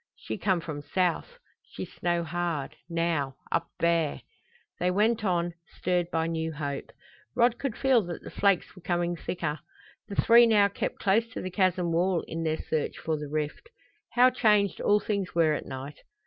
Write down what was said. "She come from south. She snow hard now up there!" They went on, stirred by new hope. Rod could feel that the flakes were coming thicker. The three now kept close to the chasm wall in their search for the rift. How changed all things were at night!